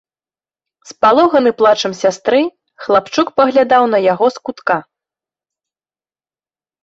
Спалоханы плачам сястры, хлапчук паглядаў на яго з кутка.